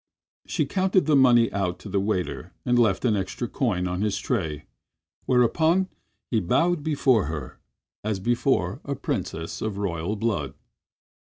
She counted the money out to the waiter and left an extra coin on his tray, whereupon he bowed before her as before a princess of royal blood.